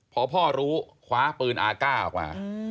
พอพ่อรู้คว้าปืนอาก้าออกมา